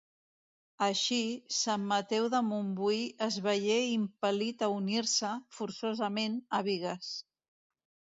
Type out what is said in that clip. Així, Sant Mateu de Montbui es veié impel·lit a unir-se, forçosament, a Bigues.